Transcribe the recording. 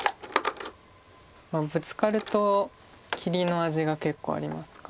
ブツカると切りの味が結構ありますから。